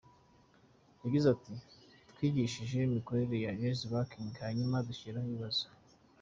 Yagize ati “Twigishije imikorere ya Eazzy Banking, hanyuma dushyiraho ibibazo.